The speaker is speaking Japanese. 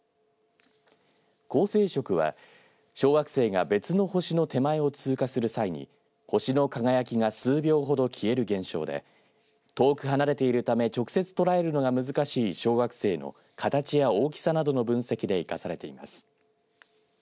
恒星食は小惑星が別の星の手前を通過する際に星の輝きが数秒ほど消える現象で遠く離れているため直接捉えるのが難しい小惑星の形や大きさなどの分析で生かされています。